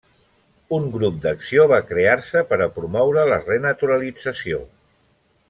Un grup d'acció va crear-se per a promoure la renaturalització.